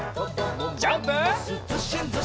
ジャンプ！